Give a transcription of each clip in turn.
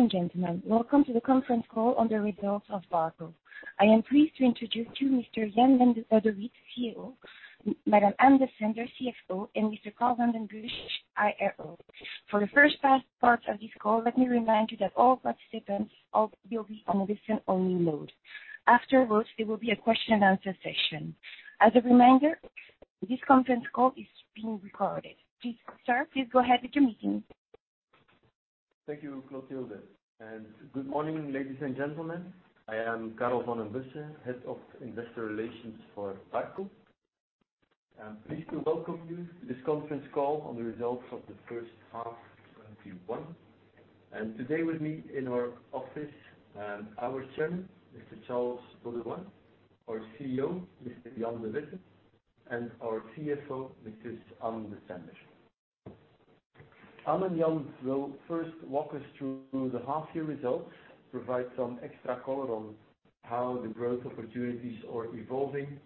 Ladies and gentlemen, welcome to the conference call on the results of Barco. I am pleased to introduce to you Mr. Jan De Witte, CEO, Madam Ann Desender, CFO, and Mr. Carl Vanden Bussche, IRO. For the first part of this call, let me remind you that all participants will be on listen-only mode. Afterwards, there will be a question and answer session. As a reminder, this conference call is being recorded. Sir, please go ahead with your meeting. Thank you, Clotilde. Good morning, ladies and gentlemen. I am Carl Vanden Bussche, Head of Investor Relations for Barco. I'm pleased to welcome you to this conference call on the results of the first half of 2021. Today with me in our office, our Chairman, Mr. Charles Beauduin, our CEO, Mr. Jan De Witte, and our CFO, Mrs. Ann Desender. Ann and Jan will first walk us through the half year results, provide some extra color on how the growth opportunities are evolving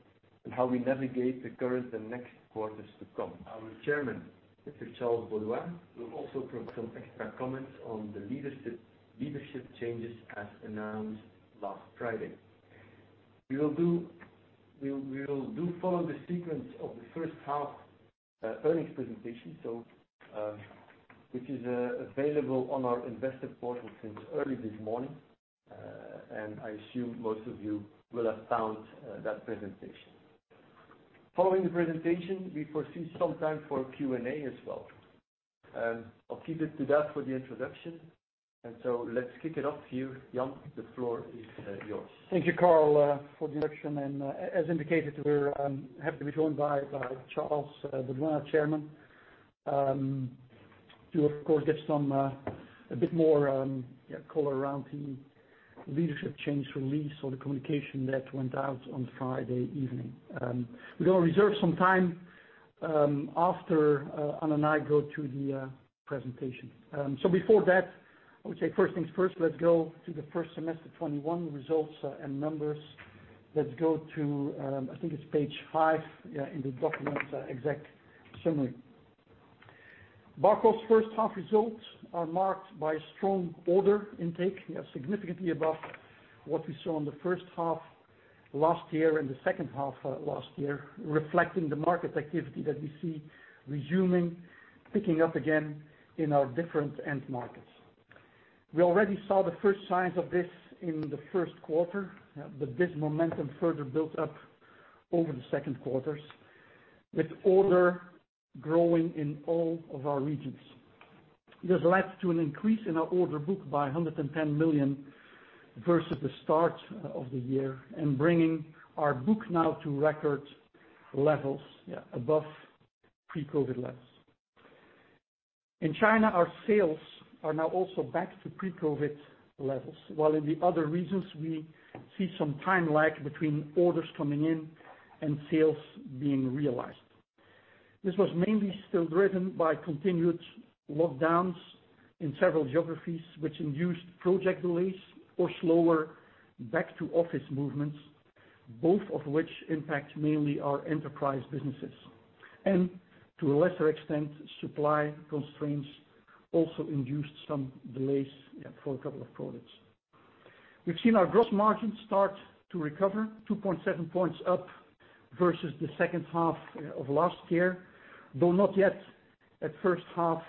and how we navigate the current and next quarters to come. Our Chairman, Mr. Charles Beauduin, will also provide some extra comments on the leadership changes as announced last Friday. We will do follow the sequence of the first half earnings presentation, which is available on our investor portal since early this morning. I assume most of you will have found that presentation. Following the presentation, we foresee some time for Q&A as well. I'll keep it to that for the introduction, and so let's kick it off here. Jan, the floor is yours. Thank you, Carl, for the introduction. As indicated, we're happy to be joined by Charles Beauduin, our chairman, to of course, get a bit more color around the leadership change release or the communication that went out on Friday evening. We're going to reserve some time after Ann and I go through the presentation. Before that, I would say first things first, let's go to the first semester 2021 results and numbers. Let's go to, I think it's page five in the documents, exec summary. Barco's first half results are marked by strong order intake, significantly above what we saw in the first half last year and the second half last year, reflecting the market activity that we see resuming, picking up again in our different end markets. We already saw the first signs of this in the first quarter. This momentum further built up over the second quarters, with order growing in all of our regions. This led to an increase in our order book by 110 million versus the start of the year and bringing our book now to record levels, above pre-COVID levels. In China, our sales are now also back to pre-COVID levels, while in the other regions, we see some time lag between orders coming in and sales being realized. This was mainly still driven by continued lockdowns in several geographies, which induced project delays or slower back to office movements, both of which impact mainly our enterprise businesses. To a lesser extent, supply constraints also induced some delays for a couple of products. We've seen our gross margins start to recover 2.7 points up versus the second half of last year, though not yet at first half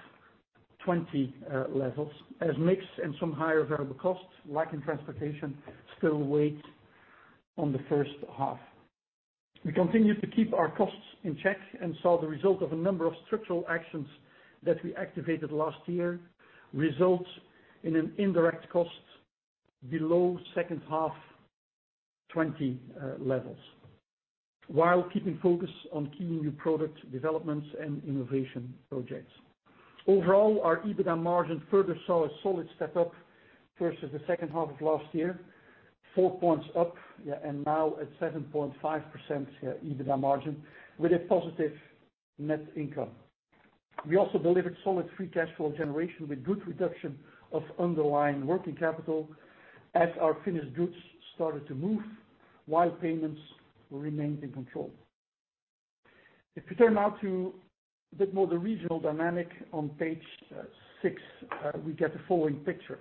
2020 levels, as mix and some higher variable costs, like in transportation, still wait on the first half. We continue to keep our costs in check and saw the result of a number of structural actions that we activated last year result in an indirect cost below second half 2020 levels, while keeping focus on key new product developments and innovation projects. Overall, our EBITDA margin further saw a solid step up versus the second half of last year, 4 points up and now at 7.5% EBITDA margin with a positive net income. We also delivered solid free cash flow generation with good reduction of underlying working capital as our finished goods started to move while payments remained in control. If we turn now to a bit more the regional dynamic on page 6, we get the following picture.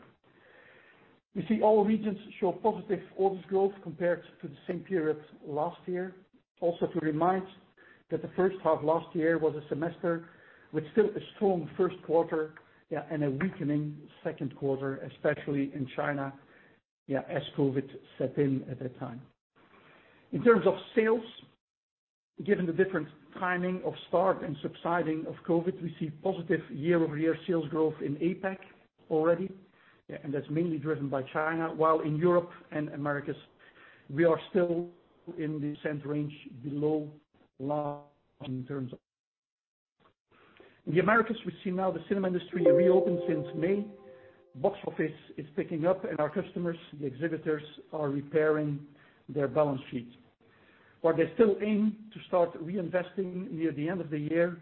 We see all regions show positive orders growth compared to the same period last year. Also to remind that the first half last year was a semester with still a strong first quarter and a weakening second quarter, especially in China, as COVID set in at that time. In terms of sales, given the different timing of start and subsiding of COVID, we see positive year-over-year sales growth in APAC already. That's mainly driven by China, while in Europe and Americas, we are still in the same range below last. In the Americas, we see now the cinema industry reopened since May. Box office is picking up and our customers, the exhibitors, are repairing their balance sheet, while they still aim to start reinvesting near the end of the year,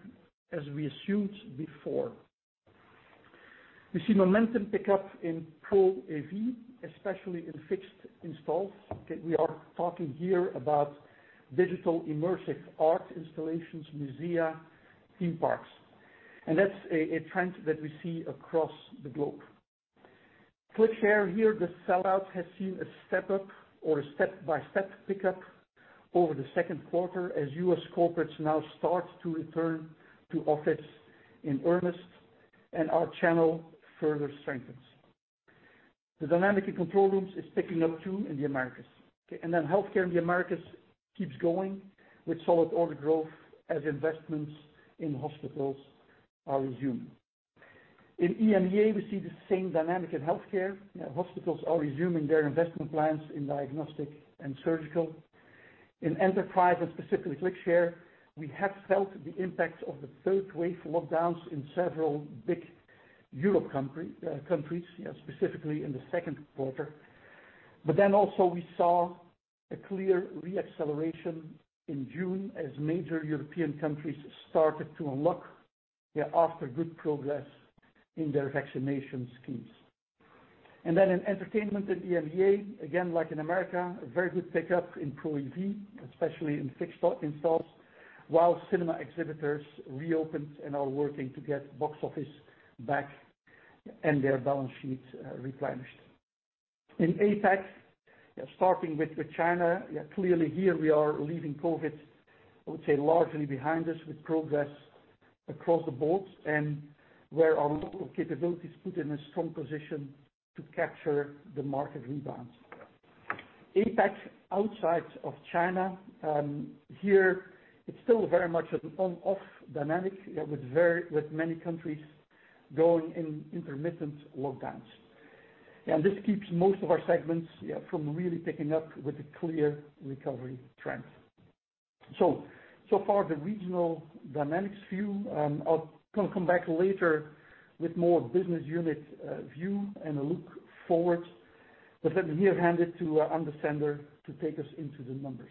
as we assumed before. We see momentum pick up in Pro AV, especially in fixed installs. We are talking here about digital immersive art installations, museum, theme parks. That's a trend that we see across the globe. ClickShare here, the sell-out has seen a step-up or a step-by-step pick-up over the 2nd quarter as U.S. corporates now start to return to office in earnest and our channel further strengthens. The dynamic in control rooms is picking up too in the Americas. Healthcare in the Americas keeps going with solid order growth as investments in hospitals are resumed. In EMEA, we see the same dynamic in healthcare. Hospitals are resuming their investment plans in diagnostic and surgical. In enterprise and specifically ClickShare, we have felt the impact of the third wave lockdowns in several big Europe countries, specifically in the second quarter. We saw a clear re-acceleration in June as major European countries started to unlock after good progress in their vaccination schemes. In entertainment in EMEA, again, like in America, a very good pickup in Pro AV, especially in fixed installs, while cinema exhibitors reopened and are working to get box office back and their balance sheets replenished. In APAC, starting with China, clearly here we are leaving COVID, I would say largely behind us with progress across the board and where our local capabilities put in a strong position to capture the market rebound. APAC, outside of China, here, it's still very much an on-off dynamic with many countries going in intermittent lockdowns. This keeps most of our segments from really picking up with a clear recovery trend. So far, the regional dynamics view. I'll come back later with more business unit view and a look forward. Let me hand it to Ann Desender to take us into the numbers.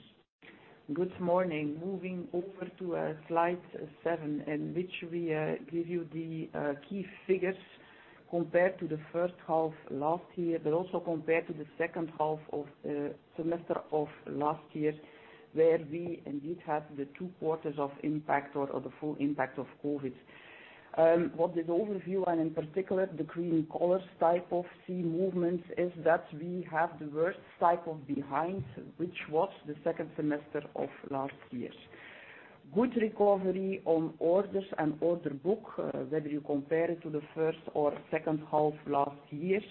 Good morning. Moving over to slide seven, in which we give you the key figures compared to the first half last year, but also compared to the second half of the semester of last year, where we indeed had the two quarters of impact or the full impact of COVID. What this overview and in particular the green colors type of C movements is that we have the worst cycle behind, which was the second semester of last year. Good recovery on orders and order book, whether you compare it to the first or second half last year.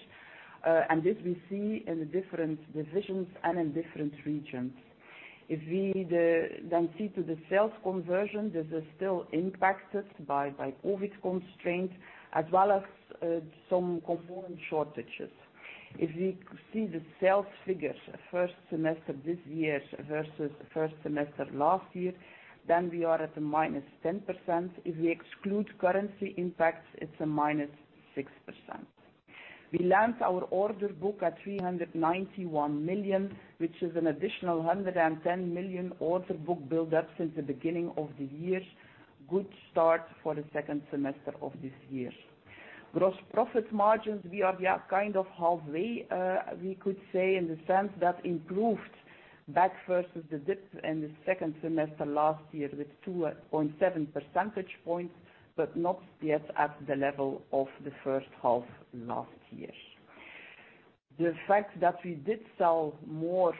This we see in the different divisions and in different regions. If we then see to the sales conversion, this is still impacted by COVID constraints as well as some component shortages. If we see the sales figures first semester this year versus first semester last year, we are at the -10%. If we exclude currency impacts, it's a -6%. We land our order book at 391 million, which is an additional 110 million order book build up since the beginning of the year. Good start for the second semester of this year. Gross profit margins, we are kind of halfway, we could say in the sense that improved back versus the dip in the second semester last year with 2.7 percentage points, but not yet at the level of the first half last year. The fact that we did sell more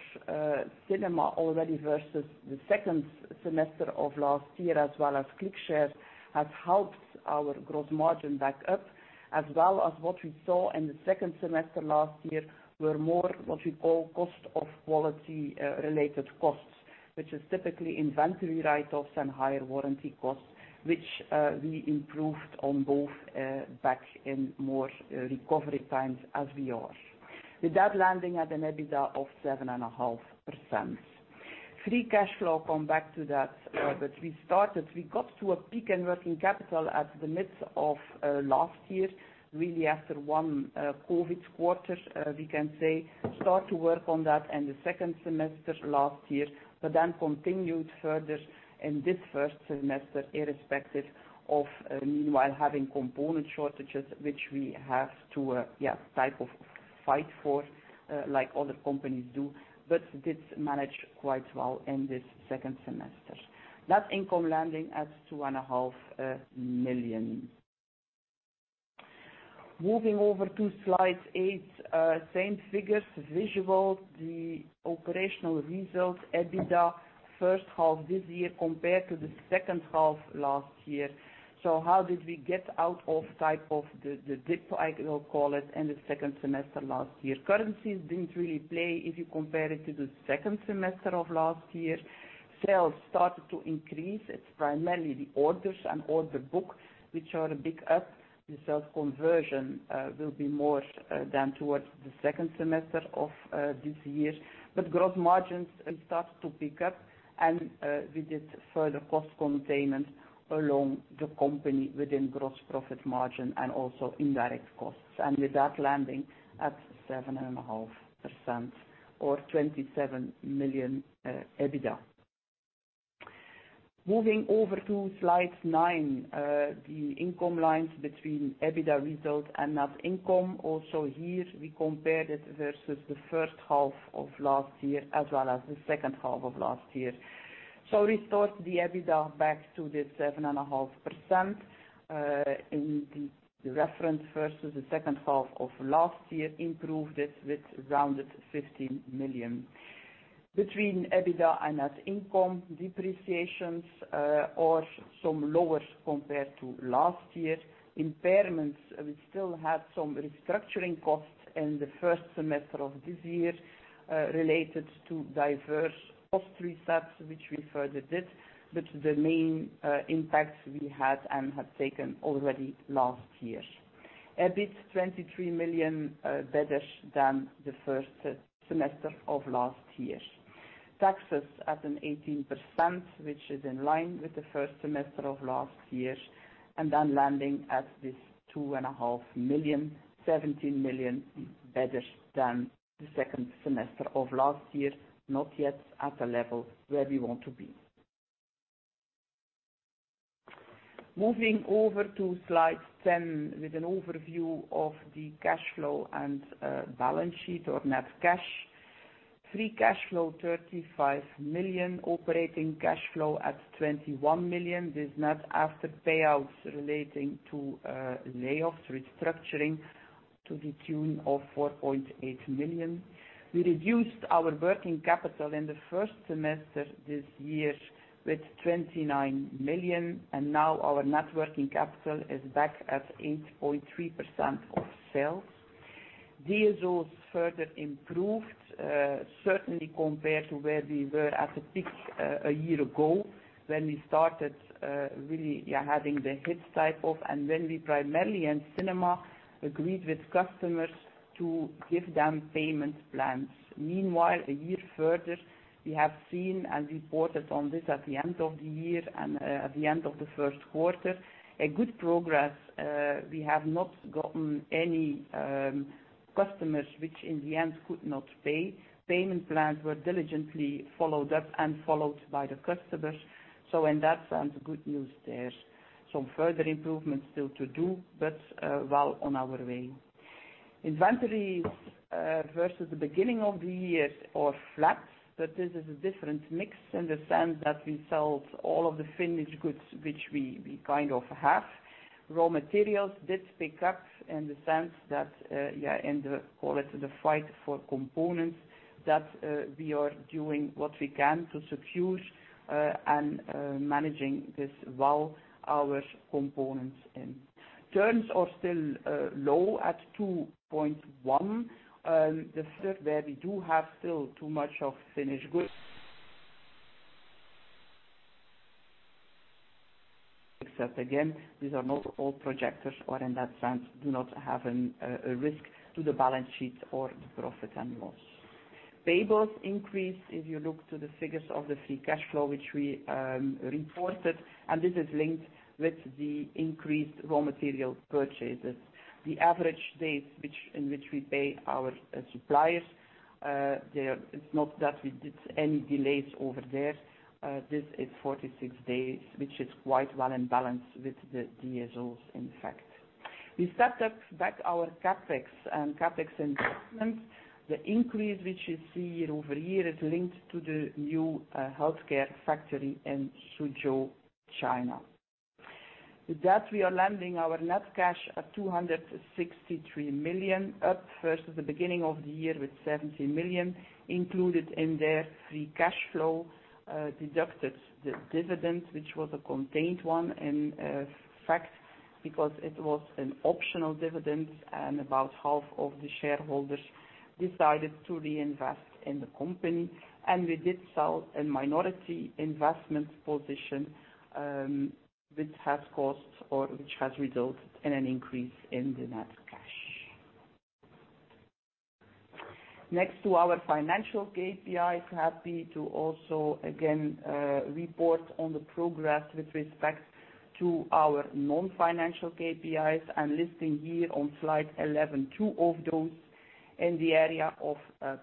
cinema already versus the second semester of last year as well as ClickShare has helped our gross margin back up, as well as what we saw in the second semester last year were more what we call cost of quality related costs, which is typically inventory write-offs and higher warranty costs, which we improved on both back in more recovery times as we are. With that landing at an EBITDA of 7.5%. Free cash flow, come back to that. We got to a peak in working capital at the midst of last year, really after one COVID quarter, we can say, start to work on that in the second semester last year, continued further in this first semester, irrespective of meanwhile having component shortages, which we have to type of fight for, like other companies do, did manage quite well in this second semester. Net income landing at 2.5 million. Moving over to slide eight, same figures, visual, the operational results, EBITDA, first half this year compared to the second half last year. How did we get out of type of the dip, I will call it, in the second semester last year. Currencies didn't really play if you compare it to the second semester of last year. Sales started to increase. It's primarily the orders and order book, which are big up. The sales conversion will be more than towards the second semester of this year. Gross margins start to pick up and we did further cost containment along the company within gross profit margin and also indirect costs. With that landing at 7.5% or EUR 27 million EBITDA. Moving over to slide nine, the income lines between EBITDA result and net income. Also here we compare this versus the first half of last year as well as the second half of last year. Restored the EBITDA back to this 7.5% in the reference versus the second half of last year, improved it with rounded 15 million. Between EBITDA and net income depreciations are some lower compared to last year. Impairments, we still had some restructuring costs in the first semester of this year related to diverse cost resets, which we further did. The main impacts we had and have taken already last year. EBIT 23 million better than the first semester of last year. Taxes at an 18%, which is in line with the first semester of last year, and then landing at this two and a half million, 17 million better than the second semester of last year, not yet at a level where we want to be. Moving over to slide 10 with an overview of the cash flow and balance sheet or net cash. Free cash flow 35 million, operating cash flow at 21 million. This is not after payouts relating to layoffs, restructuring to the tune of 4.8 million. We reduced our working capital in the first semester this year with 29 million. Now our net working capital is back at 8.3% of sales. DSOs further improved, certainly compared to where we were at the peak a year ago when we started really having the hit cycle, when we primarily in cinema agreed with customers to give them payment plans. Meanwhile, a year further, we have seen and reported on this at the end of the year and at the end of the first quarter, a good progress. We have not gotten any customers which in the end could not pay. Payment plans were diligently followed up and followed by the customers. In that sense, good news there. Some further improvements still to do, but well on our way. Inventories versus the beginning of the year are flat, but this is a different mix in the sense that we sell all of the finished goods which we kind of have. Raw materials did pick up in the sense that in the, call it, the fight for components, that we are doing what we can to secure and managing this well our components in. Turns are still low at 2.1. The third, where we do have still too much of finished goods. Except again, these are not all projectors or in that sense, do not have a risk to the balance sheet or the profit and loss. Payables increased if you look to the figures of the free cash flow, which we reported, and this is linked with the increased raw material purchases. The average days in which we pay our suppliers, it's not that we did any delays over there. This is 46 days, which is quite well in balance with the DSOs, in fact. We stepped up back our CapEx and CapEx investments. The increase which you see year-over-year is linked to the new healthcare factory in Suzhou, China. With that, we are landing our net cash at 263 million up versus the beginning of the year with 70 million included in their free cash flow, deducted the dividend, which was a contained one in fact, because it was an optional dividend and about half of the shareholders decided to reinvest in the company. We did sell a minority investment position, which has costs or which has resulted in an increase in the net cash. Next to our financial KPIs, happy to also again report on the progress with respect to our non-financial KPIs and listing here on slide 11, two of those in the area of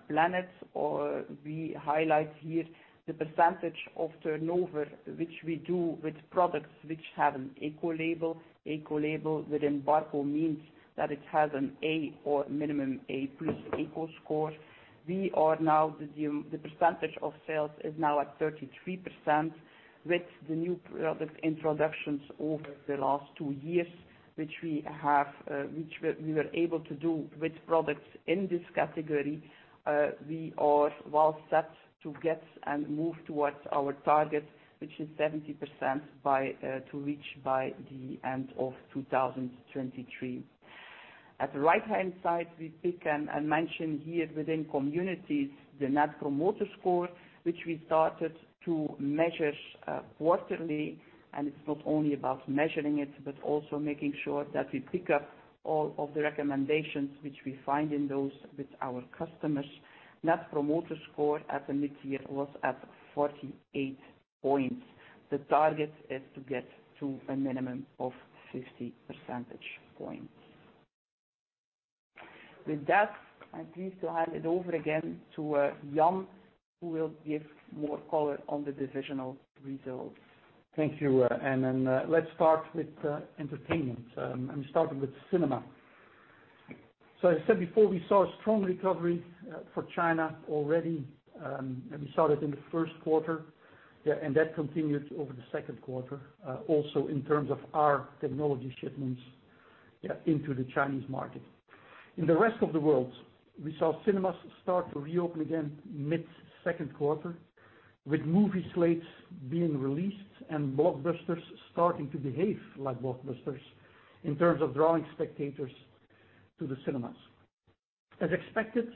planets, or we highlight here the percentage of turnover which we do with products which have an Eco-label. Eco-label within Barco means that it has an A or minimum A+ Ecoscore. The percentage of sales is now at 33% with the new product introductions over the last two years, which we were able to do with products in this category. We are well set to get and move towards our target, which is 70% to reach by the end of 2023. At the right-hand side, we pick and mention here within communities the Net Promoter Score, which we started to measure quarterly. It's not only about measuring it, but also making sure that we pick up all of the recommendations which we find in those with our customers. Net Promoter Score at the mid-year was at 48 points. The target is to get to a minimum of 50 percentage points. With that, I'm pleased to hand it over again to Jan, who will give more color on the divisional results. Thank you, Ann. Let's start with entertainment and starting with cinema. I said before, we saw a strong recovery for China already, and we saw that in the first quarter. That continued over the second quarter, also in terms of our technology shipments into the Chinese market. In the rest of the world, we saw cinemas start to reopen again mid-second quarter, with movie slates being released and blockbusters starting to behave like blockbusters in terms of drawing spectators to the cinemas. As expected,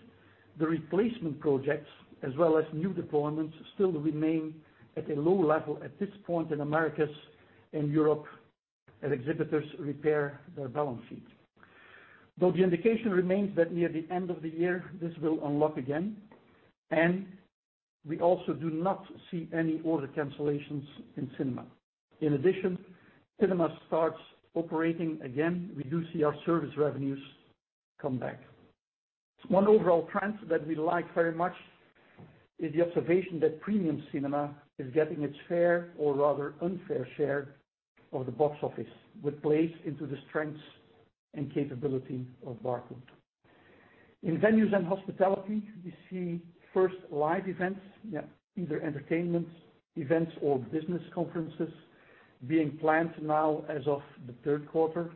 the replacement projects, as well as new deployments, still remain at a low level at this point in Americas and Europe as exhibitors repair their balance sheet. The indication remains that near the end of the year, this will unlock again, and we also do not see any order cancellations in cinema. In addition, cinema starts operating again. We do see our service revenues come back. One overall trend that we like very much is the observation that premium cinema is getting its fair, or rather unfair share, of the box office, which plays into the strengths and capability of Barco. In venues and hospitality, we see first live events, either entertainment events or business conferences, being planned now as of the third quarter,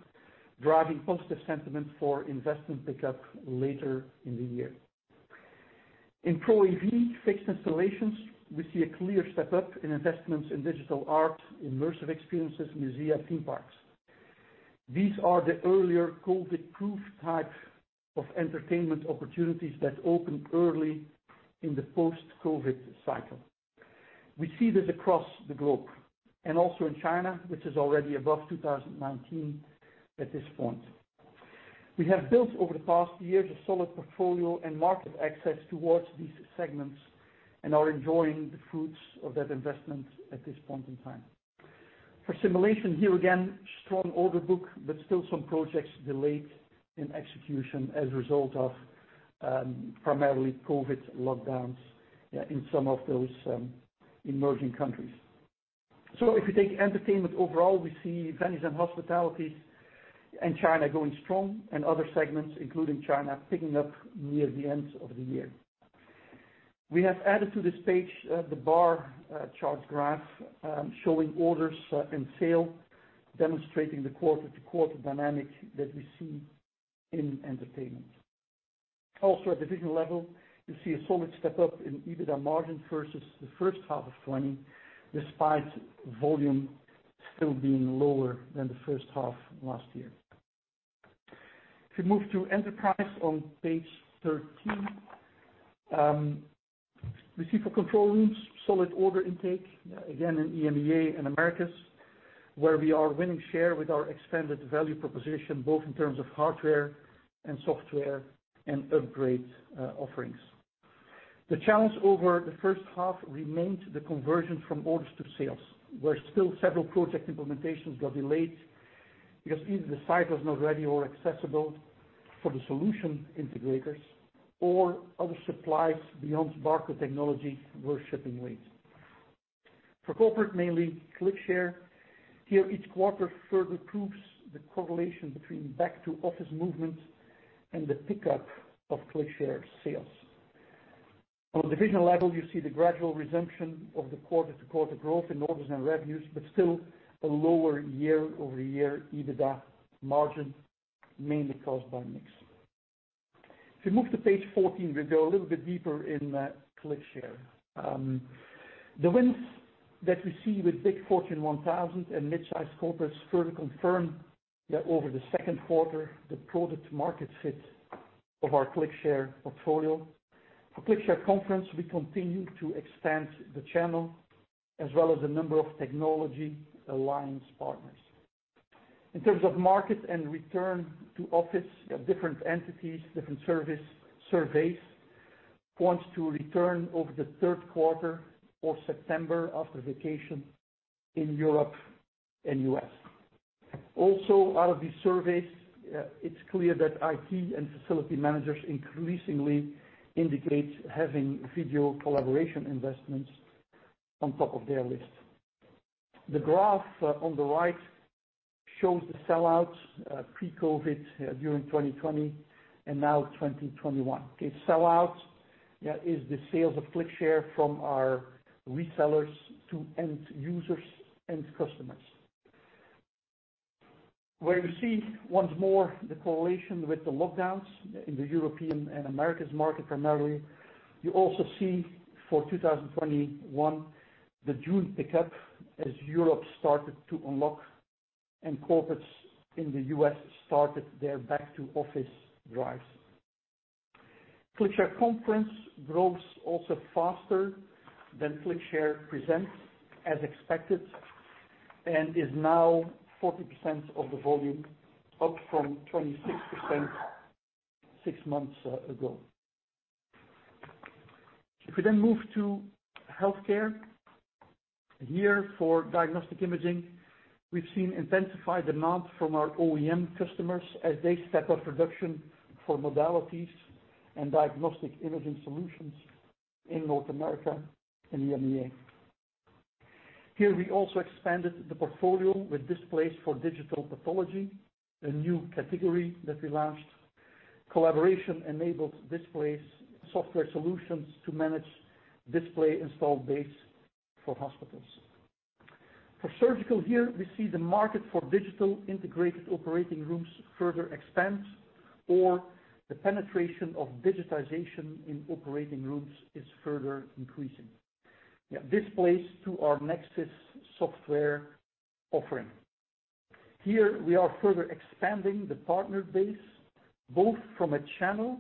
driving positive sentiment for investment pickup later in the year. In Pro AV fixed installations, we see a clear step up in investments in digital art, immersive experiences, museum theme parks. These are the earlier COVID-proof types of entertainment opportunities that opened early in the post-COVID cycle. We see this across the globe and also in China, which is already above 2019 at this point. We have built over the past years a solid portfolio and market access towards these segments and are enjoying the fruits of that investment at this point in time. For simulation, here again, strong order book, but still some projects delayed in execution as a result of primarily COVID lockdowns in some of those emerging countries. If you take entertainment overall, we see venues and hospitality and China going strong and other segments, including China, picking up near the end of the year. We have added to this page the bar chart graph showing orders and sale, demonstrating the quarter-to-quarter dynamic that we see in entertainment. Also, at division level, you see a solid step up in EBITDA margin versus the first half of 2020, despite volume still being lower than the first half last year. If we move to enterprise on page 13. We see for control rooms, solid order intake again in EMEA and Americas, where we are winning share with our expanded value proposition, both in terms of hardware and software and upgrade offerings. The challenge over the first half remained the conversion from orders to sales, where still several project implementations got delayed because either the site was not ready or accessible for the solution integrators or other suppliers beyond Barco technology were shipping late. For corporate, mainly ClickShare. Here each quarter further proves the correlation between back to office movements and the pickup of ClickShare sales. On a divisional level, you see the gradual resumption of the quarter-to-quarter growth in orders and revenues, but still a lower year-over-year EBITDA margin, mainly caused by mix. If you move to page 14, we go a little bit deeper in ClickShare. The wins that we see with Fortune 1000 and midsize corporates further confirm that over the second quarter, the product market fit of our ClickShare portfolio. For ClickShare Conference, we continue to extend the channel as well as the number of technology alliance partners. In terms of market and return to office, different entities, different surveys point to return over the third quarter or September after vacation in Europe and U.S. Out of these surveys, it's clear that IT and facility managers increasingly indicate having video collaboration investments on top of their list. The graph on the right shows the sell-outs pre-COVID, during 2020, and now 2021. Sell-out is the sales of ClickShare from our resellers to end users, end customers. Where you see once more the correlation with the lockdowns in the European and Americas market primarily, you also see for 2021, the June pickup as Europe started to unlock and corporates in the U.S. started their back to office drives. ClickShare Conference grows also faster than ClickShare Present as expected and is now 40% of the volume, up from 26% six months ago. If we then move to healthcare. Here for diagnostic imaging, we've seen intensified demand from our OEM customers as they step up production for modalities and diagnostic imaging solutions in North America and EMEA. Here, we also expanded the portfolio with displays for digital pathology, a new category that we launched. Collaboration-enabled displays software solutions to manage display installed base for hospitals. For surgical here, we see the market for digital integrated operating rooms further expand, or the penetration of digitization in operating rooms is further increasing. Displays to our Nexxis software offering. Here, we are further expanding the partner base, both from a channel,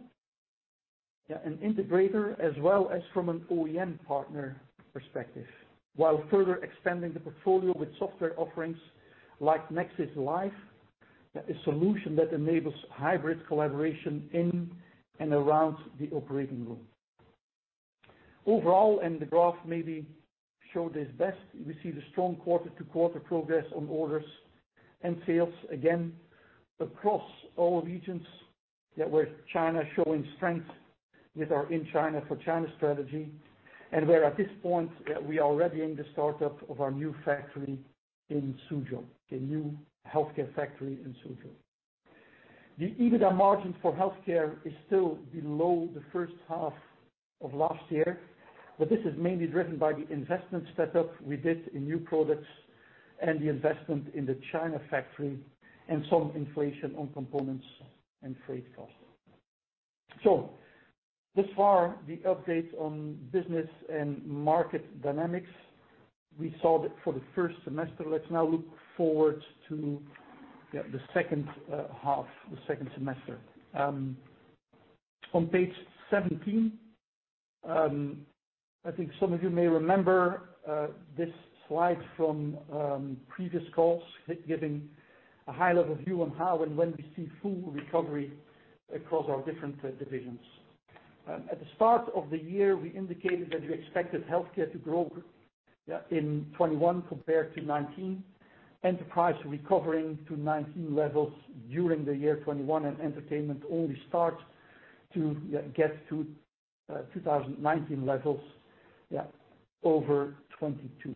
an integrator as well as from an OEM partner perspective. While further expanding the portfolio with software offerings like NexxisLive, a solution that enables hybrid collaboration in and around the operating room. Overall, and the graph maybe show this best, we see the strong quarter-to-quarter progress on orders and sales again across all regions that were China showing strength with our in China for China strategy, and where at this point we are already in the startup of our new factory in Suzhou, a new healthcare factory in Suzhou. The EBITDA margin for healthcare is still below the first half of last year, but this is mainly driven by the investment setup we did in new products and the investment in the China factory and some inflation on components and freight costs. This far, the updates on business and market dynamics, we saw that for the first semester. Let's now look forward to the second half, the second semester. On page 17, I think some of you may remember this slide from previous calls, giving a high-level view on how and when we see full recovery across our different divisions. At the start of the year, we indicated that we expected healthcare to grow in 2021 compared to 2019, enterprise recovering to 2019 levels during the year 2021, and entertainment only starts to get to 2019 levels over 2022.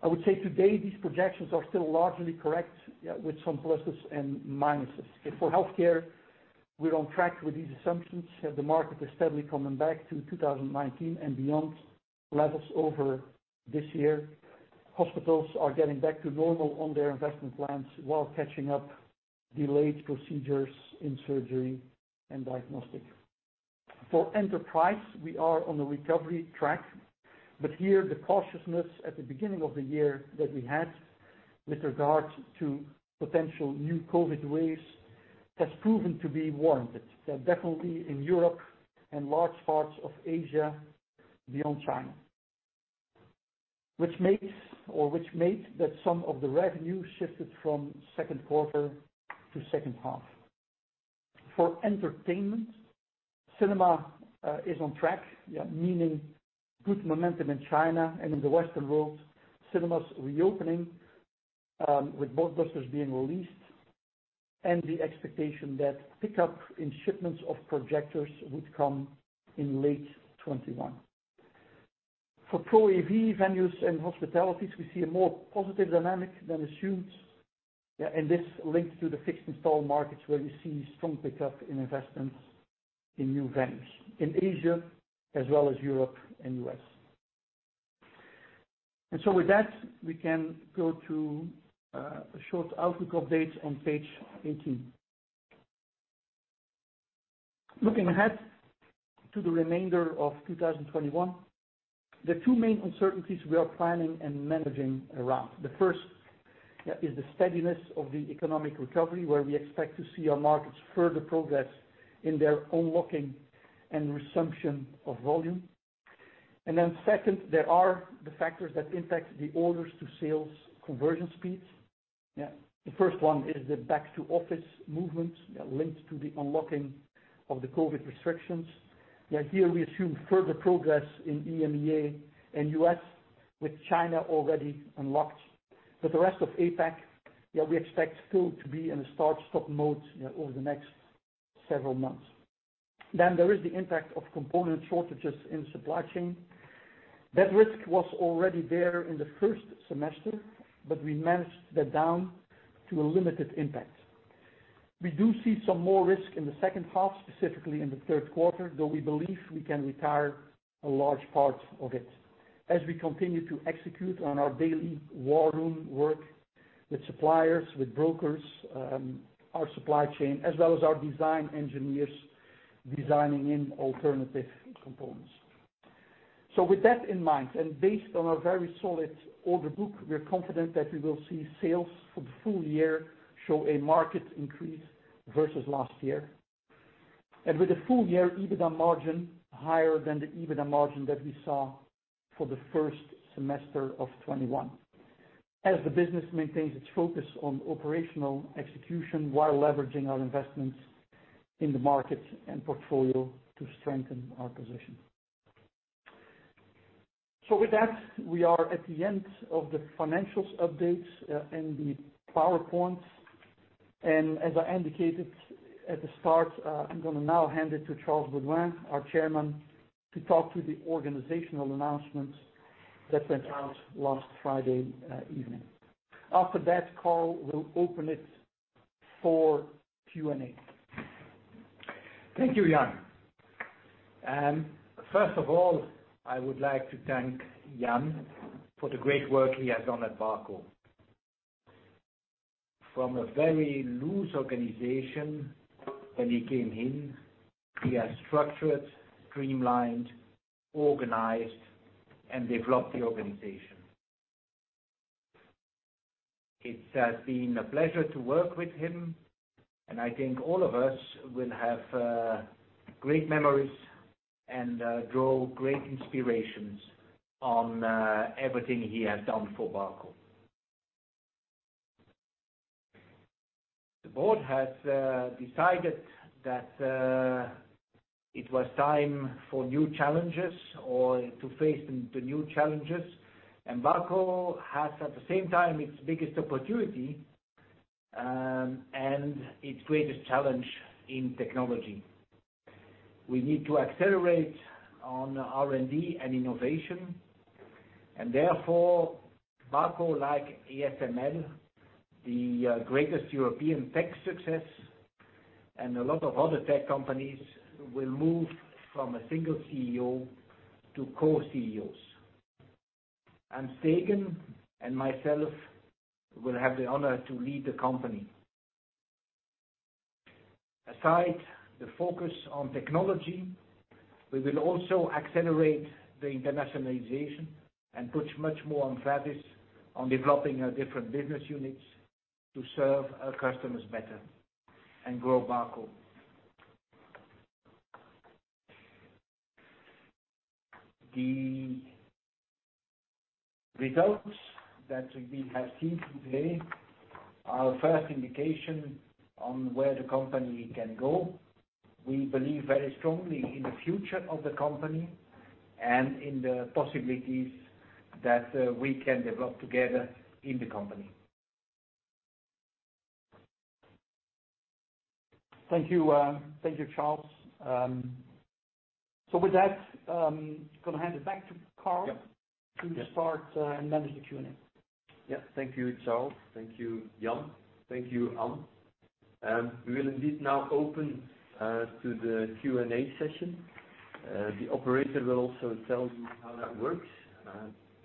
I would say today these projections are still largely correct with some pluses and minuses. For healthcare, we're on track with these assumptions. The market is steadily coming back to 2019 and beyond levels over this year. Hospitals are getting back to normal on their investment plans while catching up delayed procedures in surgery and diagnostic. Here the cautiousness at the beginning of the year that we had with regard to potential new COVID waves has proven to be warranted, definitely in Europe and large parts of Asia beyond China. Which makes or which made that some of the revenue shifted from second quarter to second half. For entertainment, cinema is on track, meaning good momentum in China and in the Western world, cinemas reopening with blockbusters being released, and the expectation that pickup in shipments of projectors would come in late 2021. For Pro AV venues and hospitalities, we see a more positive dynamic than assumed. This linked to the fixed install markets where you see strong pickup in investments in new venues in Asia as well as Europe and U.S. With that, we can go to a short outlook update on page 18. Looking ahead to the remainder of 2021, the two main uncertainties we are planning and managing around. The first is the steadiness of the economic recovery, where we expect to see our markets further progress in their unlocking and resumption of volume. Second, there are the factors that impact the orders to sales conversion speeds. The first one is the back to office movement linked to the unlocking of the COVID restrictions. Here we assume further progress in EMEA and U.S. with China already unlocked. The rest of APAC, we expect still to be in a start-stop mode over the next several months. There is the impact of component shortages in supply chain. That risk was already there in the first semester, we managed that down to a limited impact. We do see some more risk in the second half, specifically in the third quarter, though we believe we can retire a large part of it. As we continue to execute on our daily war room work with suppliers, with brokers, our supply chain, as well as our design engineers designing in alternative components. With that in mind, and based on our very solid order book, we're confident that we will see sales for the full year show a marked increase versus last year. With the full year EBITDA margin higher than the EBITDA margin that we saw for the first semester of 2021. As the business maintains its focus on operational execution while leveraging our investments in the market and portfolio to strengthen our position. With that, we are at the end of the financials updates and the PowerPoint. As I indicated at the start, I'm going to now hand it to Charles Beauduin, our chairman, to talk to the organizational announcements that went out last Friday evening. After that call, we'll open it for Q&A. Thank you, Jan. I would like to thank Jan for the great work he has done at Barco. From a very loose organization when he came in, he has structured, streamlined, organized, and developed the organization. It has been a pleasure to work with him, I think all of us will have great memories and draw great inspirations on everything he has done for Barco. The board has decided that it was time for new challenges or to face the new challenges, Barco has, at the same time, its biggest opportunity and its greatest challenge in technology. We need to accelerate on R&D and innovation, Barco, like ASML, the greatest European tech success, and a lot of other tech companies, will move from a single CEO to co-CEOs. An Steegen and myself will have the honor to lead the company. Aside the focus on technology, we will also accelerate the internationalization and put much more emphasis on developing our different business units to serve our customers better and grow Barco. The results that we have seen today are a first indication on where the company can go. We believe very strongly in the future of the company and in the possibilities that we can develop together in the company. Thank you, Charles. With that, I'm going to hand it back to Carl to start and manage the Q&A. Yes. Thank you, Charles. Thank you, Jan. Thank you, An. We will indeed now open to the Q&A session. The operator will also tell you how that works.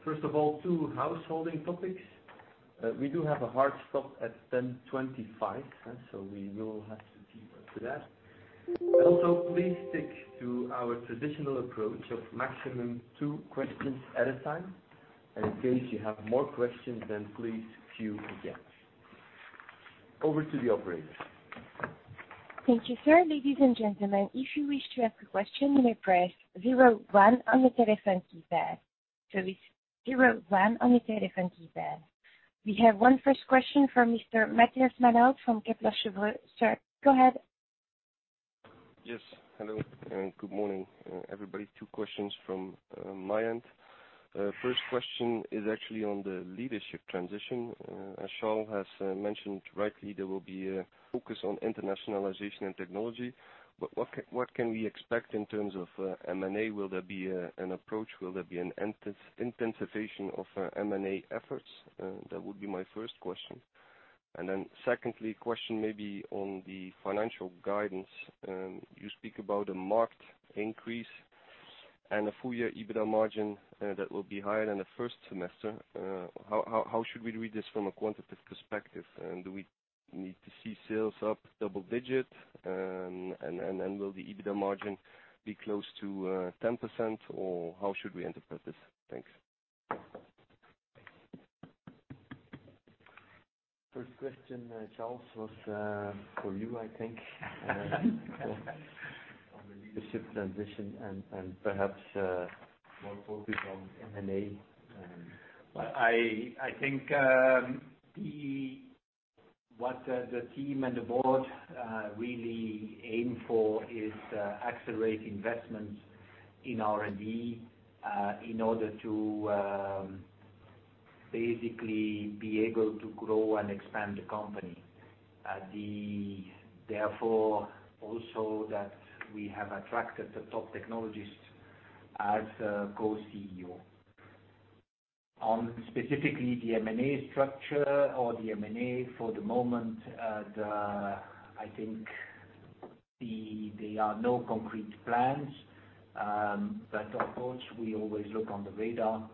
First of all, two housekeeping topics. We do have a hard stop at 10:25 A.M., so we will have to keep up to that. Please stick to our traditional approach of maximum two questions at a time. In case you have more questions, then please queue again. Over to the operator. Thank you, sir. Ladies and gentlemen, if you wish to ask a question, you may press zero one on the telephone keypad. It's zero one on your telephone keypad. We have one first question from Mr. Matthias Maenhaut from Kepler Cheuvreux. Sir, go ahead. Yes. Hello, and good morning, everybody. Two questions from my end. First question is actually on the leadership transition. As Charles has mentioned rightly, there will be a focus on internationalization and technology. What can we expect in terms of M&A? Will there be an approach? Will there be an intensification of M&A efforts? That would be my first question. Secondly, a question maybe on the financial guidance. You speak about a marked increase and a full-year EBITDA margin that will be higher than the first semester. How should we read this from a quantitative perspective? Do we need to see sales up double-digit? Will the EBITDA margin be close to 10% or how should we interpret this? Thanks. First question, Charles, was for you, I think. On the leadership transition and perhaps more focus on M&A. I think what the team and the board really aim for is to accelerate investments in R&D in order to basically be able to grow and expand the company. Also that we have attracted the top technologists as Co-CEO. On specifically the M&A structure or the M&A for the moment, I think there are no concrete plans. Of course, we always look on the radar.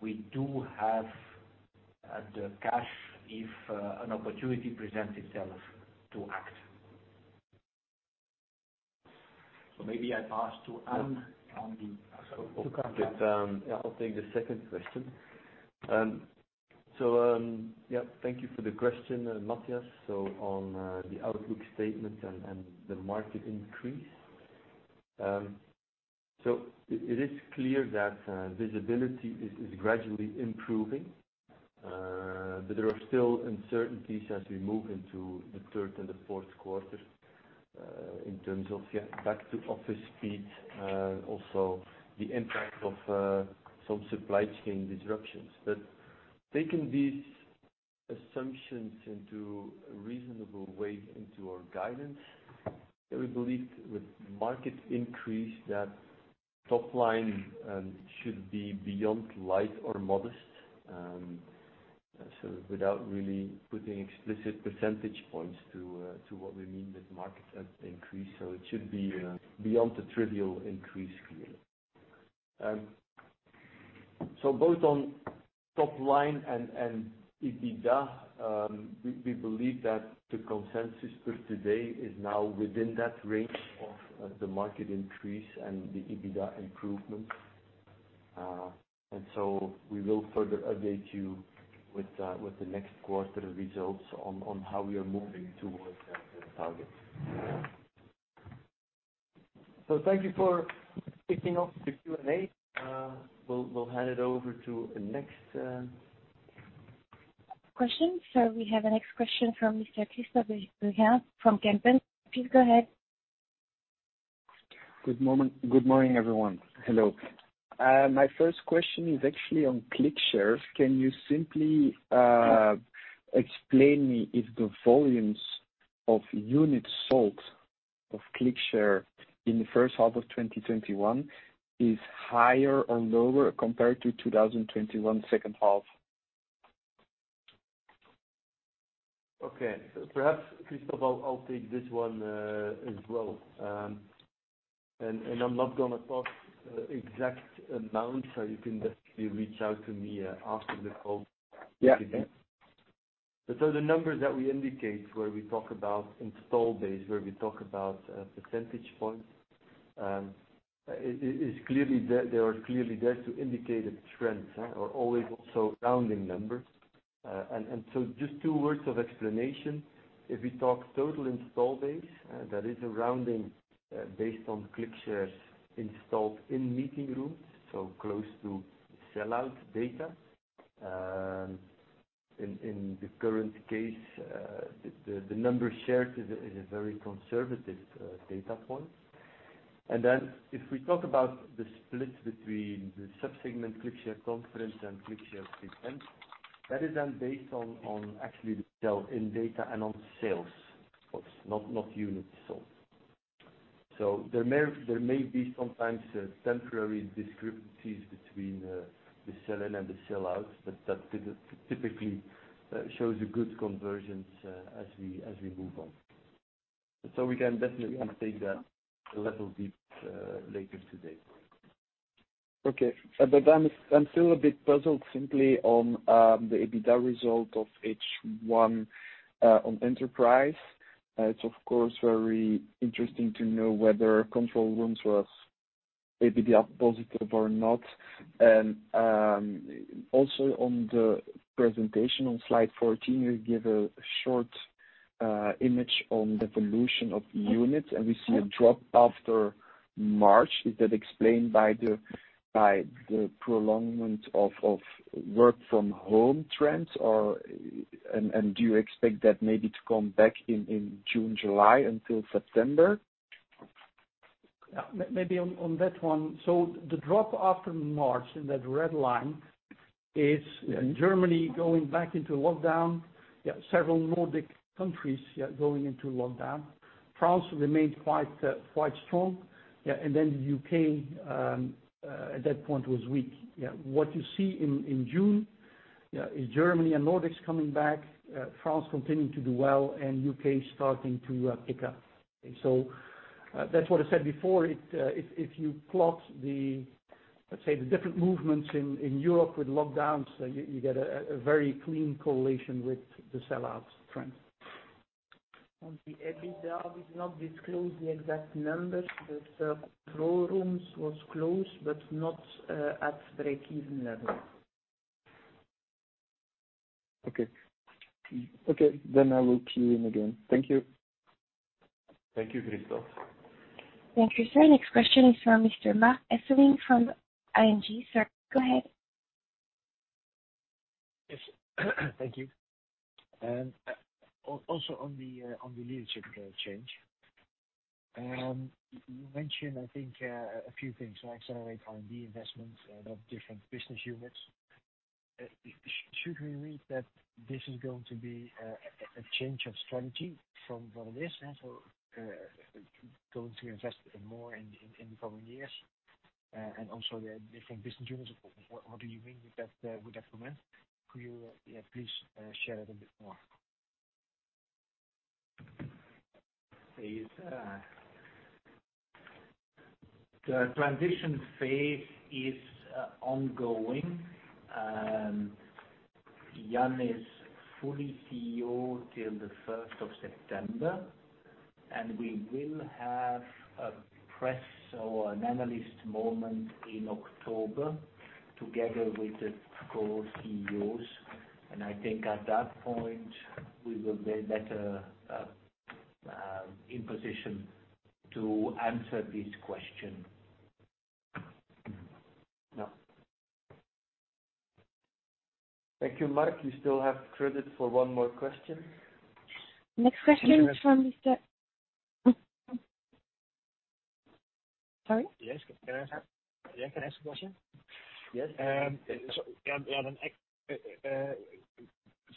We do have the cash if an opportunity presents itself to act. Maybe I pass to Jan on the second question. I'll take the second question. Thank you for the question, Matthias. On the outlook statement and the market increase. It is clear that visibility is gradually improving, but there are still uncertainties as we move into the third and the fourth quarter. In terms of back to office speed, also the impact of some supply chain disruptions. Taking these assumptions into a reasonable way into our guidance, we believe with market increase that top line should be beyond light or modest. Without really putting explicit percentage points to what we mean with market increase. It should be beyond a trivial increase clearly. Both on top line and EBITDA, we believe that the consensus per today is now within that range of the market increase and the EBITDA improvements. We will further update you with the next quarter results on how we are moving towards that target. Thank you for kicking off the Q&A. We will hand it over to the next. Question. We have the next question from Mr. Christophe Beghin from Kempen. Please go ahead. Good morning, everyone. Hello. My first question is actually on ClickShare. Can you simply explain to me if the volumes of units sold of ClickShare in the first half of 2021 is higher or lower compared to 2021 second half? Okay. Perhaps, Christophe, I'll take this one as well. I'm not going to talk exact amounts, so you can definitely reach out to me after the call. Yeah. The numbers that we indicate where we talk about install base, where we talk about percentage points, they are clearly there to indicate a trend, or always also rounding numbers. Just two words of explanation. If we talk total install base, that is a rounding based on ClickShares installed in meeting rooms, so close to sell-out data. In the current case, the number shared is a very conservative data point. If we talk about the split between the sub-segment ClickShare Conference and ClickShare C-10, that is then based on actually the sell-in data and on sales of not unit sold. There may be sometimes temporary discrepancies between the sell-in and the sell-out, but that typically shows a good convergence as we move on. We can definitely take that a level deep later today. Okay. I'm still a bit puzzled simply on the EBITDA result of H1 on enterprise. It's of course very interesting to know whether control rooms was EBITDA positive or not. Also on the presentation on slide 14, you give a short image on the evolution of units, and we see a drop after March. Is that explained by the prolongment of work from home trends, and do you expect that maybe to come back in June, July until September? Maybe on that one. The drop after March in that red line is Germany going back into lockdown. Several Nordic countries going into lockdown. France remained quite strong. The U.K. at that point was weak. What you see in June is Germany and Nordics coming back, France continuing to do well, and U.K. starting to pick up. That's what I said before, if you plot the, let's say, the different movements in Europe with lockdowns, you get a very clean correlation with the sellout trend. On the EBITDA, we've not disclosed the exact numbers, but Control Rooms was close but not at break-even level. Okay. I will queue in again. Thank you. Thank you, Christophe. Thank you, sir. Next question is from Mr. Marc Hesselink from ING. Sir, go ahead. Yes. Thank you. Also on the leadership change. You mentioned, I think a few things like accelerate R&D investments of different business units. Should we read that this is going to be a change of strategy from what it is? Going to invest more in the coming years? Also the different business units, what do you mean with that comment? Could you please share it a bit more? The transition phase is ongoing. Jan is fully CEO till the 1st of September, and we will have a press or an analyst moment in October together with the co-CEOs. I think at that point, we will be better in position to answer this question. Thank you, Marc. You still have credit for one more question. Next question is from Mr? Yes. Can I ask a question?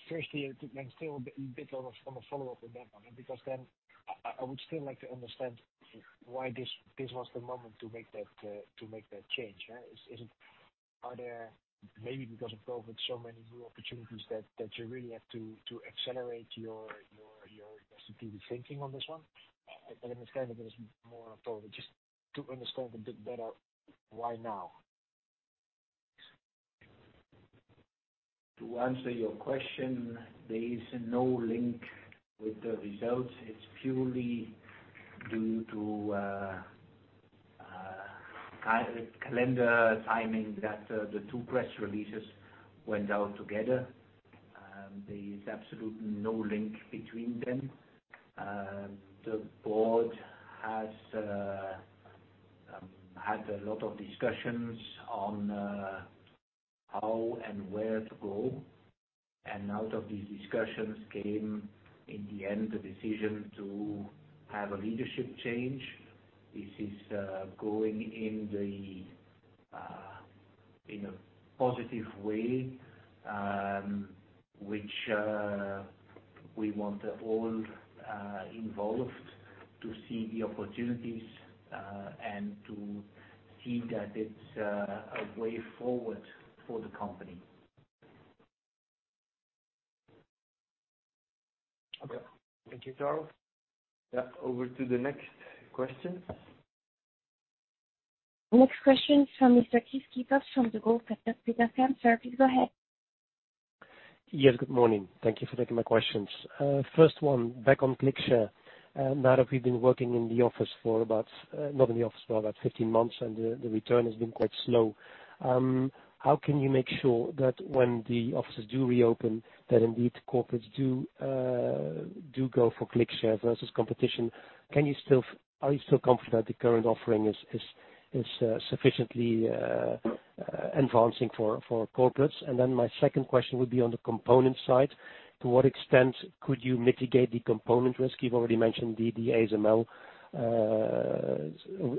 Yes. I'm still a bit on a follow-up on that one, because I would still like to understand why this was the moment to make that change. Are there, maybe because of COVID, so many new opportunities that you really have to accelerate your S&OP thinking on this one? I'm just kind of more forward just to understand a bit better why now? To answer your question, there is no link with the results. It's purely due to calendar timing that the two press releases went out together. There is absolutely no link between them. The board has had a lot of discussions on how and where to go. Out of these discussions came, in the end, the decision to have a leadership change. This is going in a positive way, which we want all involved to see the opportunities, and to see that it's a way forward for the company. Okay. Thank you, Charles. Over to the next question. Next question is from Mr. Kris Kippers from the Degroof Petercam. Sir, please go ahead. Yes, good morning. Thank you for taking my questions. First one back on ClickShare. Now that we've been working in the office for about, not in the office, for about 15 months, the return has been quite slow. How can you make sure that when the offices do reopen, that indeed corporates do go for ClickShare versus competition? Are you still confident the current offering is sufficiently advancing for corporates? My second question would be on the component side. To what extent could you mitigate the component risk? You've already mentioned the ASML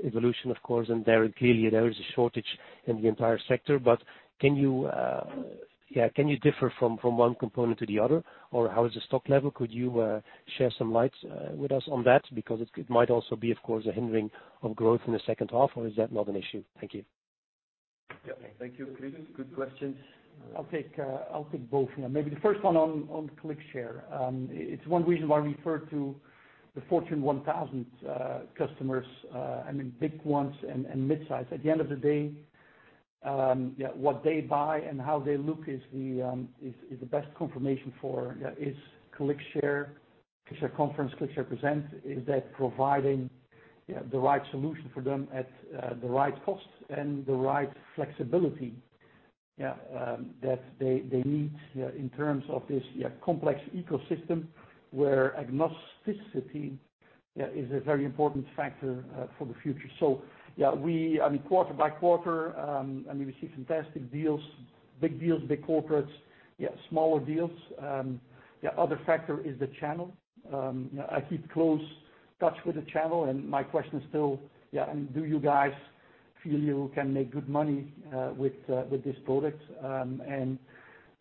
evolution, of course, there clearly there is a shortage in the entire sector. Can you differ from one component to the other, or how is the stock level? Could you share some light with us on that? It might also be, of course, a hindering of growth in the second half, or is that not an issue? Thank you. Yeah. Thank you, Kris. Good questions. I'll take both. Maybe the first one on ClickShare. It's one reason why we refer to the Fortune 1000 customers, big ones and mid-size. At the end of the day, what they buy and how they look is the best confirmation for, is ClickShare Conference, ClickShare Present, is that providing the right solution for them at the right cost and the right flexibility that they need in terms of this complex ecosystem where agnosticity is a very important factor for the future. Quarter by quarter, we see fantastic deals, big deals, big corporates, smaller deals. Other factor is the channel. I keep close touch with the channel, and my question is still, do you guys feel you can make good money with this product?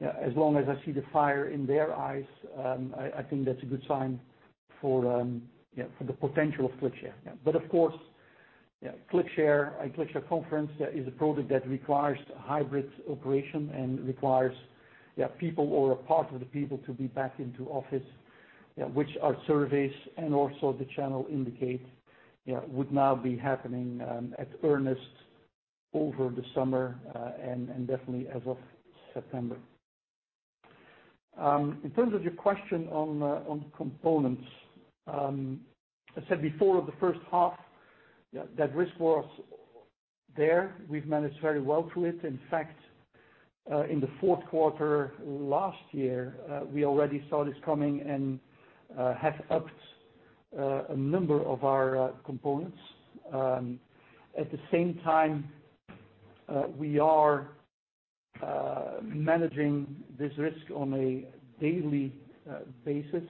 As long as I see the fire in their eyes, I think that's a good sign for the potential of ClickShare. Of course, ClickShare and ClickShare Conference is a product that requires hybrid operation and requires people or a part of the people to be back into office, which our surveys and also the channel indicate would now be happening at earnest over the summer and definitely as of September. In terms of your question on components. I said before of the first half that risk was there. We've managed very well through it. In fact, in the fourth quarter last year, we already saw this coming and have upped a number of our components. At the same time, we are managing this risk on a daily basis.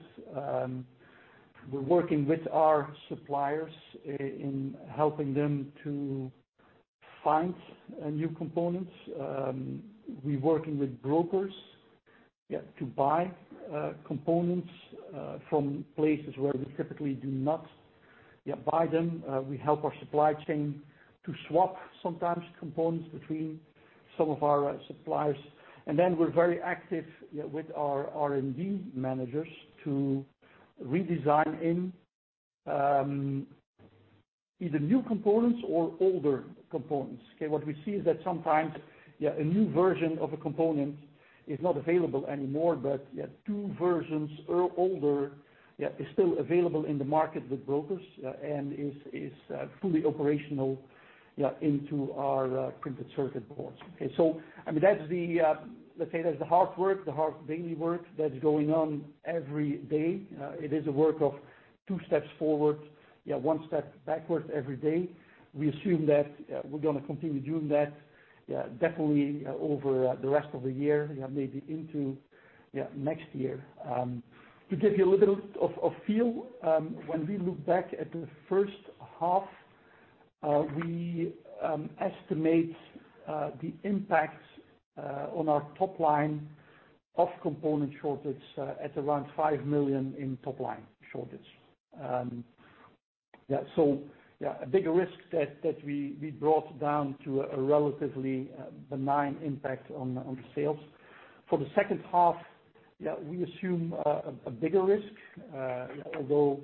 We're working with our suppliers in helping them to find new components. We're working with brokers to buy components from places where we typically do not buy them. We help our supply chain to swap sometimes components between some of our suppliers. We're very active with our R&D managers to redesign either new components or older components. Okay. What we see is that sometimes, a new version of a component is not available anymore, but two versions or older is still available in the market with brokers and is fully operational into our printed circuit boards. Okay. That's the hard work, the hard daily work that's going on every day. It is a work of two steps forward, one step backwards every day. We assume that we're going to continue doing that definitely over the rest of the year, maybe into next year. To give you a little of a feel, when we look back at the first half, we estimate the impact on our top line of component shortage at around 5 million in top line shortage. A bigger risk that we brought down to a relatively benign impact on the sales. For the second half, we assume a bigger risk, although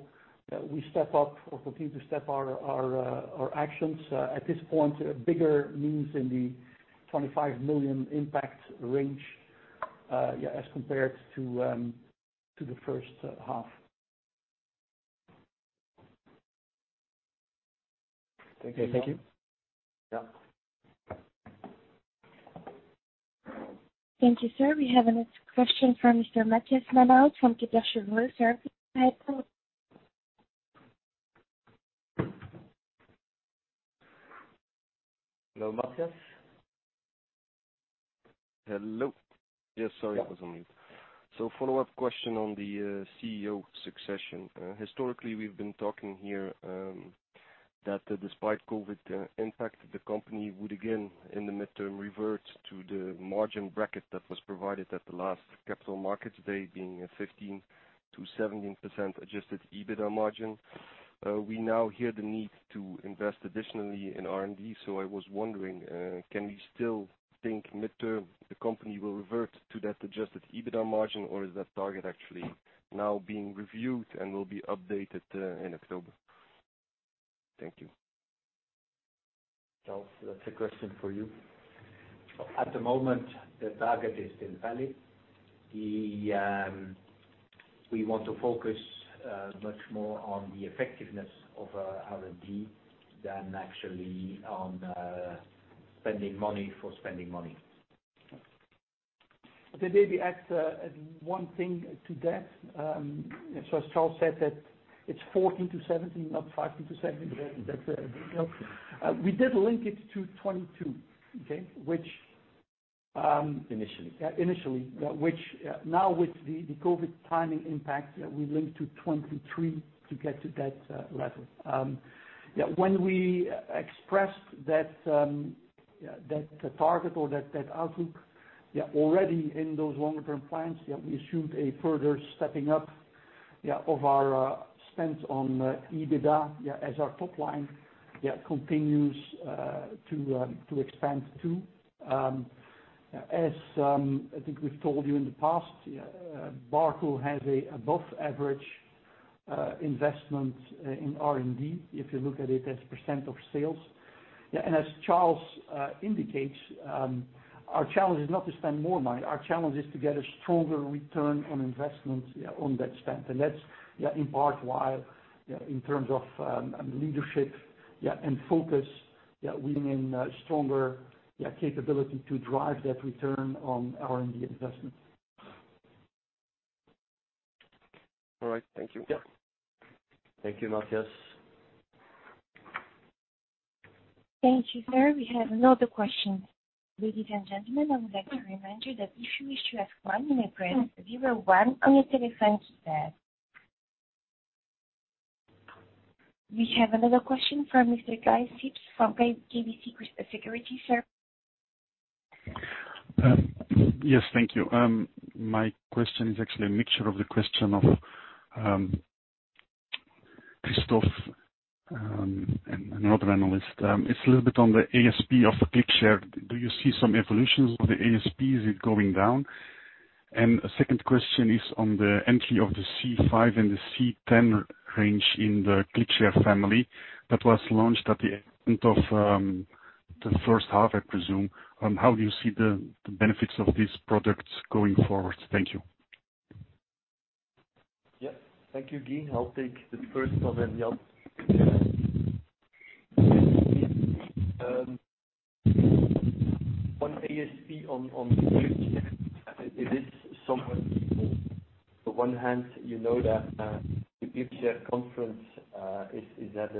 we step up or continue to step our actions. At this point, bigger means in the 25 million impact range as compared to the first half. Thank you. Yeah. Thank you, sir. We have a next question from Mr. Matthias Maenhaut from Kepler Cheuvreux. Go ahead, please. Hello, Matthias. Hello. Yes, sorry, I was on mute. Follow-up question on the CEO succession. Historically, we've been talking here that despite COVID impact, the company would again, in the midterm, revert to the margin bracket that was provided at the last Capital Markets Day, being a 15%-17% adjusted EBITDA margin. We now hear the need to invest additionally in R&D. I was wondering, can we still think midterm the company will revert to that adjusted EBITDA margin, or is that target actually now being reviewed and will be updated in October? Thank you. Charles, that's a question for you. At the moment, the target is still valid. We want to focus much more on the effectiveness of our R&D than actually on spending money for spending money. Maybe add one thing to that. As Charles said, that it's 14-17, not 5-17. That's a detail. We did link it to 2022, okay? Initially. Now with the COVID timing impact, we link to 2023 to get to that level. When we expressed that target or that outlook, already in those longer-term plans, we assumed a further stepping up of our spend on EBITDA, as our top line continues to expand too. I think we've told you in the past, Barco has above-average investment in R&D, if you look at it as percent of sales. As Charles indicates, our challenge is not to spend more money. Our challenge is to get a stronger return on investment on that spend. That's in part why, in terms of leadership and focus, we need a stronger capability to drive that return on R&D investment. All right. Thank you. Yeah. Thank you, Matthias. Thank you, sir. We have another question. Ladies and gentlemen, I would like to remind you that if you wish to ask one, you may press zero one on your telephone keypad. We have another question from Mr. Guy Sips from KBC Securities, sir. Yes, thank you. My question is actually a mixture of the question of Christophe and another analyst. It's a little bit on the ASP of the ClickShare. Do you see some evolutions of the ASP? Is it going down? A second question is on the entry of the C-5 and the C-10 range in the ClickShare family that was launched at the end of the first half, I presume. How do you see the benefits of this product going forward? Thank you. Yes. Thank you, Guy. I will take the first one and Jan the second. On ASP on ClickShare, it is somewhat equal. On one hand, you know that the ClickShare Conference is at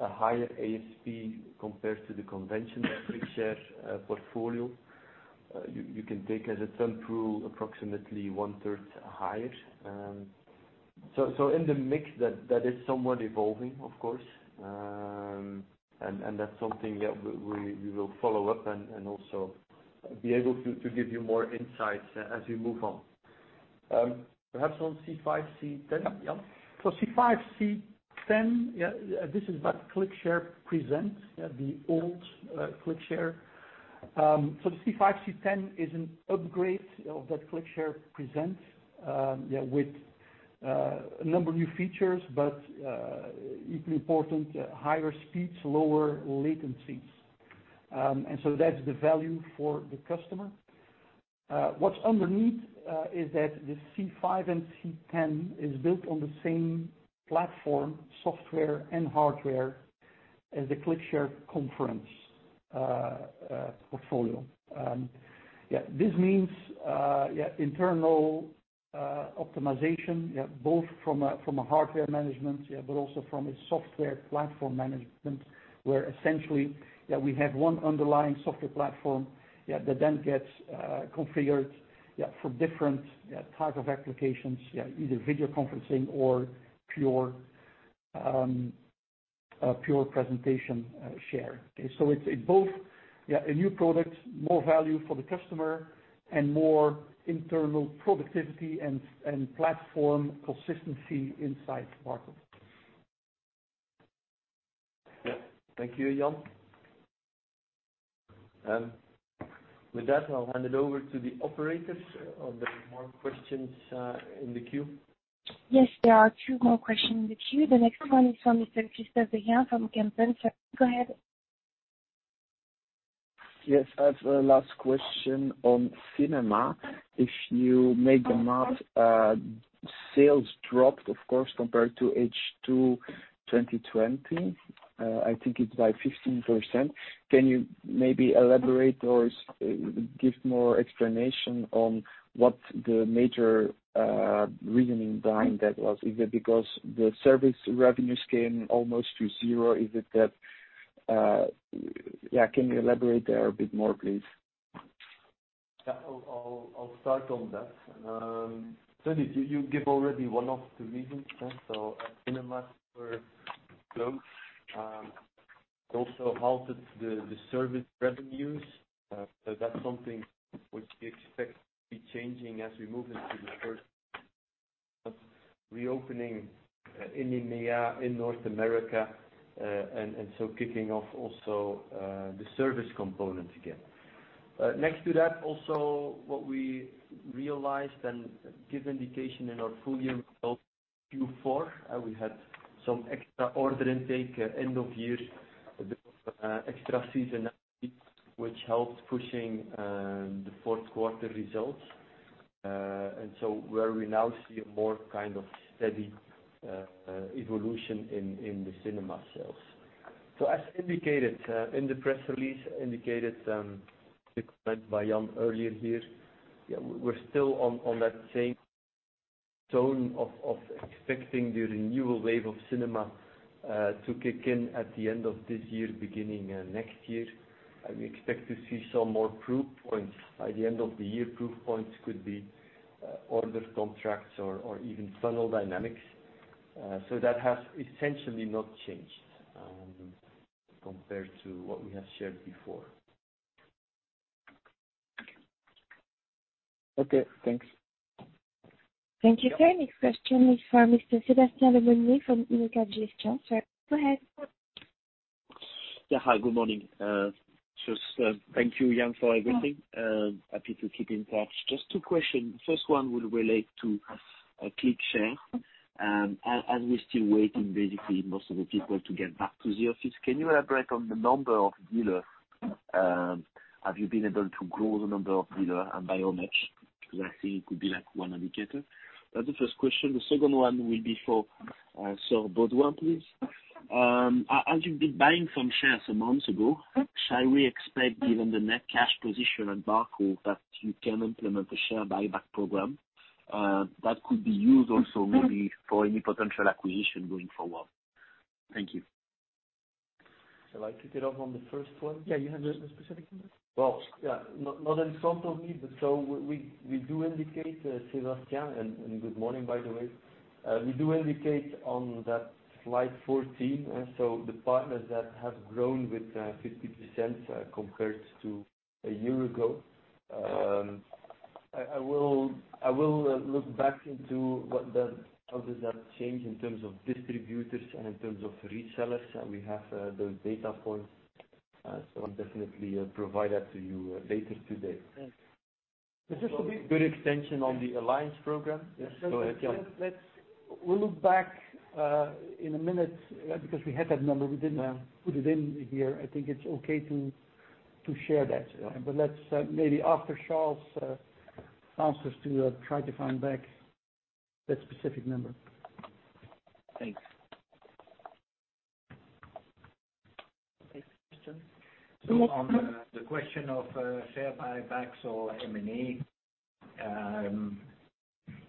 a higher ASP compared to the conventional ClickShare portfolio. You can take as a thumb rule, approximately one-third higher. In the mix, that is somewhat evolving, of course, and that's something that we will follow up and also be able to give you more insights as we move on. Perhaps on C-5, C-10, Jan? C-5, C-10, this is what ClickShare Present, the old ClickShare. The C-5, C-10 is an upgrade of that ClickShare Present with a number of new features, but equally important, higher speeds, lower latencies. That's the value for the customer. What's underneath is that the C-5 and C-10 is built on the same platform, software and hardware as the ClickShare Conference portfolio. This means internal optimization, both from a hardware management but also from a software platform management, where essentially we have one underlying software platform that then gets configured for different type of applications, either video conferencing or pure presentation share. It's both a new product, more value for the customer, and more internal productivity and platform consistency inside Barco. Yeah. Thank you, Jan. With that, I will hand it over to the operators. Are there more questions in the queue? Yes, there are two more questions in the queue. The next one is from Mr. Christophe Beghin from Kempen. Sir, go ahead. Yes, I have a last question on cinema. If you make the math, sales dropped, of course, compared to H2 2020. I think it's by 15%. Can you maybe elaborate or give more explanation on what the major reasoning behind that was? Is it because the service revenues came almost to zero? Can you elaborate there a bit more, please? Yeah, I'll start on that. Certainly, you gave already one of the reasons. Cinemas were closed, also halted the service revenues. That's something which we expect to be changing as we move into the first quarter, reopening in EMEA, in North America, and so kicking off also the service component again. Next to that, also what we realized and gave indication in our full year results, Q4, we had some extra order intake end of year because extra seasonality, which helped pushing the fourth quarter results. Where we now see a more kind of steady evolution in the cinema sales. As indicated in the press release, indicated the comment by Jan earlier here, we're still on that same tone of expecting the renewal wave of cinema to kick in at the end of this year, beginning next year. We expect to see some more proof points by the end of the year. Proof points could be orders, contracts, or even funnel dynamics. That has essentially not changed compared to what we have shared before. Okay, thanks. Thank you, sir. Next question is for Mr. Sven Médrinal from Unigestion. Sir, go ahead. Yeah, hi, good morning. Just thank you, Jan, for everything. Happy to keep in touch. Just two questions. First one would relate to ClickShare. As we're still waiting, basically, most of the people to get back to the office, can you elaborate on the number of dealers? Have you been able to grow the number of dealers and by how much? Because I think it could be one indicator. That's the first question. The second one will be for Charles Beauduin, please. As you've been buying some shares a month ago, shall we expect, given the net cash position at Barco, that you can implement a share buyback program that could be used also maybe for any potential acquisition going forward? Thank you. Shall I kick it off on the first one? Yeah, you have the specific numbers? Well, not in front of me, we do indicate, Sven, good morning, by the way. We do indicate on that slide 14, the partners that have grown with 50% compared to a year ago. I will look back into how does that change in terms of distributors and in terms of resellers. We have those data points. I'll definitely provide that to you later today. Just a bit extension on the alliance program. Go ahead, Jan. We'll look back in a minute because we had that number. We didn't put it in here. I think it's okay to share that. Let's maybe after Charles answers to try to find back that specific number. Thanks. Next question. On the question of share buybacks or M&A,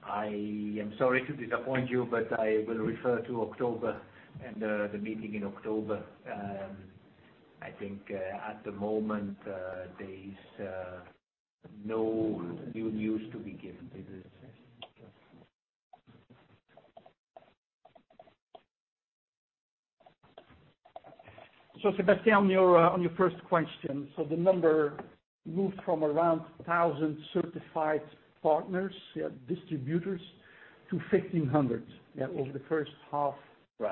I am sorry to disappoint you, but I will refer to October and the meeting in October. I think at the moment there is no new news to be given. Sven, on your first question. The number moved from around 1,000 certified partners, distributors, to 1,500 over the first half of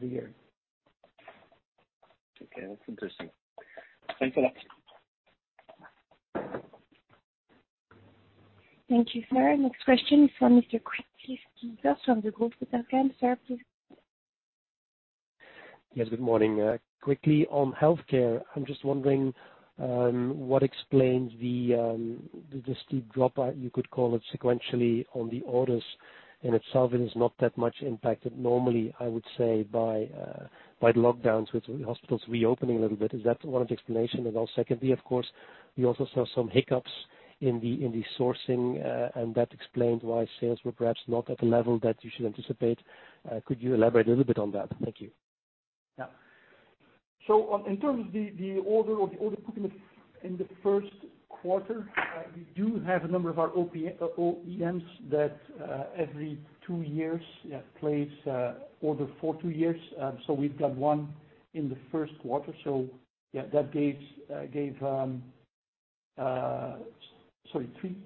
the year. Okay, that's interesting. Thanks a lot. Thank you, sir. Next question is from Mr. Kris Kippers from Degroof Petercam. Sir, please. Yes, good morning. Quickly on healthcare, I'm just wondering what explains the steep drop, you could call it sequentially on the orders in itself, it is not that much impacted normally, I would say, by the lockdowns with hospitals reopening a little bit. Is that one of the explanations at all? Secondly, of course, we also saw some hiccups in the sourcing. That explained why sales were perhaps not at the level that you should anticipate. Could you elaborate a little bit on that? Thank you. In terms of the order or the order fulfillment in the first quarter, we do have a number of our OEMs that every two years, place order for two years. We've got 1 in the first quarter. Yeah, that gave Sorry, three?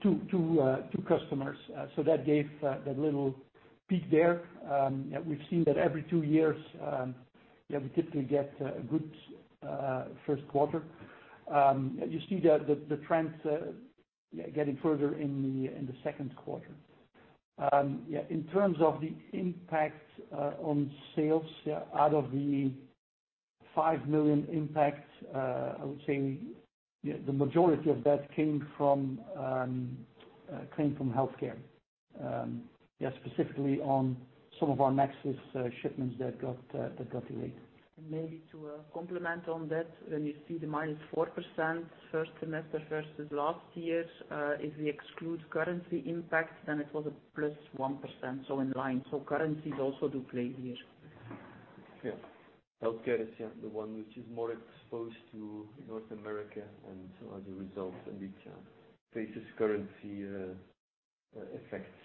Two. Two customers. That gave that little peak there. We've seen that every two years, we typically get a good first quarter. You see the trends getting further in the second quarter. In terms of the impact on sales out of the 5 million impact, I would say the majority of that came from healthcare. Specifically on some of our Nexxis shipments that got delayed. Maybe to complement on that, when you see the -4% first semester versus last year, if we exclude currency impact, it was a +1%, so in line. Currencies also do play here. Healthcare is the one which is more exposed to North America and the results. It faces currency effects.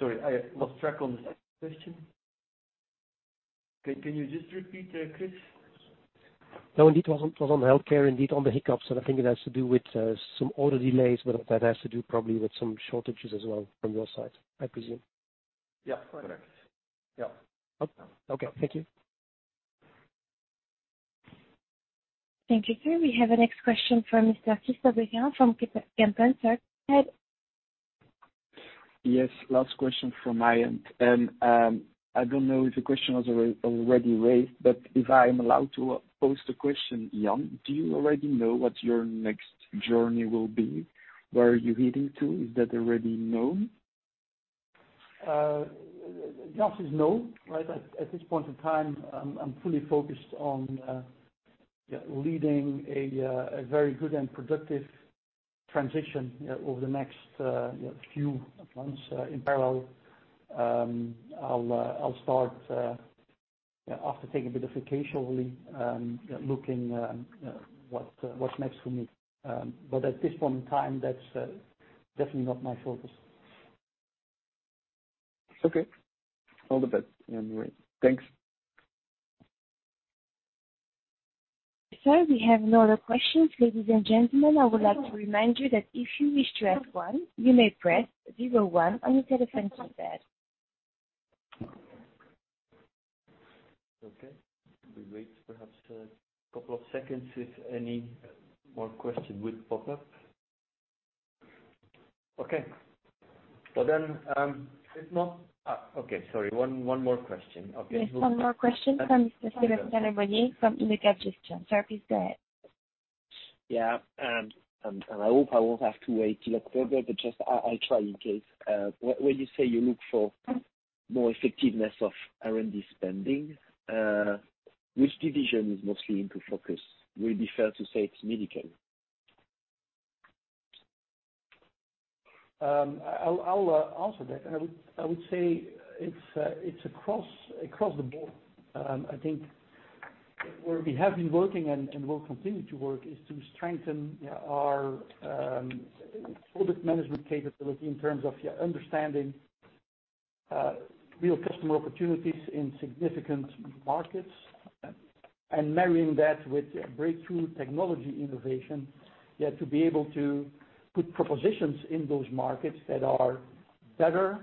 Sorry, I lost track on the second question. Can you just repeat, Kris? No, indeed it was on healthcare, indeed on the hiccups, and I think it has to do with some order delays, but that has to do probably with some shortages as well from your side, I presume. Yeah, correct. Okay, thank you. Thank you, sir. We have the next question from Mr. Christophe Beghin from Kempen. Sir, go ahead. Last question from my end. I don't know if the question was already raised, but if I'm allowed to pose the question, Jan, do you already know what your next journey will be? Where are you heading to? Is that already known? The answer is no. At this point in time, I'm fully focused on leading a very good and productive transition over the next few months. In parallel, I'll start, after taking a bit of vacation leave, looking at what's next for me. At this point in time, that's definitely not my focus. Okay. All the best anyway. Thanks. Sir, we have no other questions. Ladies and gentlemen, I would like to remind you that if you wish to ask one, you may press zero one on your telephone keypad. Okay. We wait perhaps a couple of seconds if any more question would pop up. Okay. If not, Okay, sorry, one more question. Okay. Yes, one more question from Mr. Philip Cazabon from [inaudible] Sir, please go ahead. Yeah, I hope I won't have to wait till October. Just, I try in case. When you say you look for more effectiveness of R&D spending, which division is mostly into focus? Will it be fair to say it's medical? I'll answer that. I would say it's across the board. I think where we have been working and will continue to work is to strengthen our product management capability in terms of understanding real customer opportunities in significant markets and marrying that with breakthrough technology innovation. To be able to put propositions in those markets that are better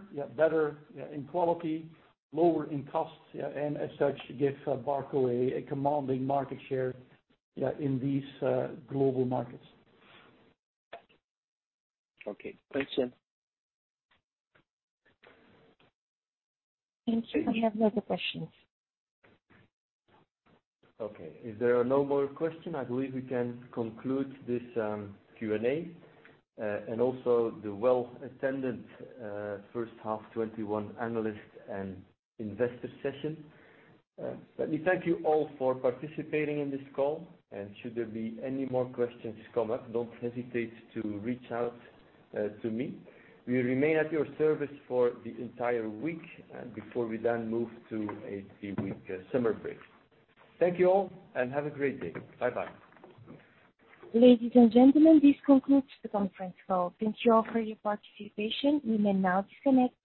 in quality, lower in cost, and as such, give Barco a commanding market share in these global markets. Okay. Thanks, Jan. Thank you. We have no other questions. Okay. If there are no more questions, I believe we can conclude this Q&A, and also the well-attended first half 2021 analyst and investor session. Let me thank you all for participating in this call, and should there be any more questions come up, don't hesitate to reach out to me. We remain at your service for the entire week before we then move to a three-week summer break. Thank you all, and have a great day. Bye-bye. Ladies and gentlemen, this concludes the conference call. Thank you all for your participation. You may now disconnect.